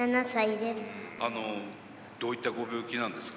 あの、どういったご病気なんですか？